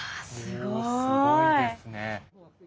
すごいですね。